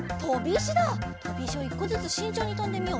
とびいしを１こずつしんちょうにとんでみよう。